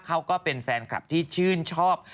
เขาก็เป็นแฟนคลับที่ชื่นชอบ